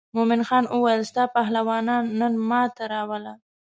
مومن خان وویل ستا پهلوانان نن ما ته راوله.